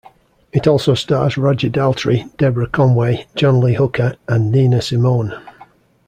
It also stars Roger Daltrey, Deborah Conway, John Lee Hooker, and Nina Simone.